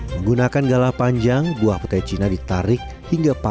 menggunakan galah panjang buah petai cina ditarik hingga pasang